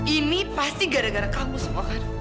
ini pasti gara gara kamu semua kan